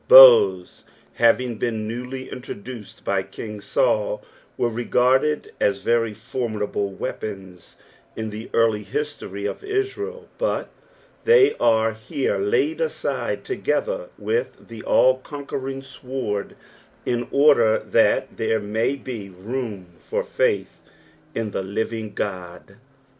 Bows having been ncnly introduced by king Saul, were regarded as very formidable weapons in the catty history of Israel, but they are here laid aside together with the all conquering sword, in order that there may be room for failh in the living God.